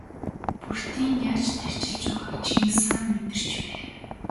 Бөртийн яаж тарчилж байгааг Чингис хаан мэдэрч байв.